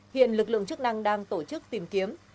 hiện lực lượng chức năng đang tổ chức tìm kiếm